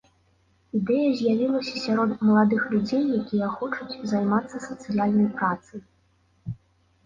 Ідэя з'явілася сярод маладых людзей, якія хочуць займацца сацыяльнай працай.